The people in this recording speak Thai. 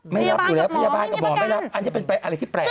ไม่รับอยู่แล้วพยาบาลกับหมอไม่มีประกันไม่รับอันจะเป็นอะไรที่แปลก